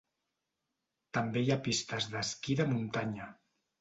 També hi ha pistes d'esquí de muntanya.